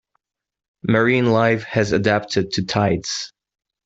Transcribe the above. Marine life has adapted to tides.